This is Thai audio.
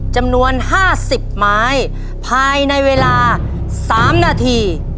จำนวนห้าสิบไม้ภายในเวลาสามนาที